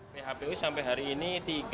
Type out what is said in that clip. phpu sampai hari ini tiga ratus tiga puluh empat